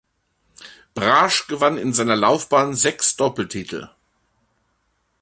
Braasch gewann in seiner Laufbahn sechs Doppeltitel.